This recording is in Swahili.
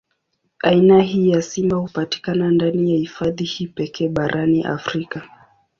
Aina hii ya simba hupatikana ndani ya hifadhi hii pekee barani Afrika.